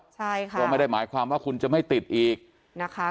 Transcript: ใช่ค่ะก็ไม่ได้หมายความว่าคุณจะไม่ติดอีกนะคะ